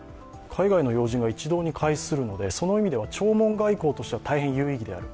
海外の要人が一堂に会するのでその意味では弔問外交としては大変有意義である。